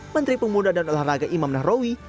menteri pemuda dan olahraga imam nahrawi